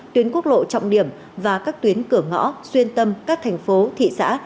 tuyến quốc lộ trọng điểm và các tuyến cửa ngõ xuyên tâm các thành phố thị xã